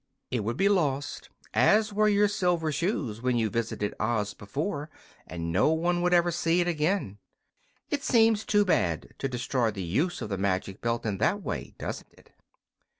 "It would be lost, as were your silver shoes when you visited Oz before, and no one would ever see it again. It seems too bad to destroy the use of the magic belt in that way, doesn't it?"